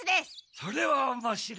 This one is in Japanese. それはおもしろい。